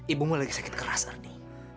ibumu lagi sakit keras ardi